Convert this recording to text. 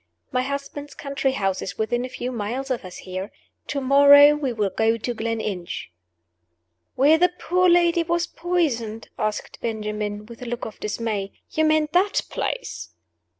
My husband's country house is within a few miles of us here. To morrow we will go to Gleninch." "Where the poor lady was poisoned?" asked Benjamin, with a look of dismay. "You mean that place?"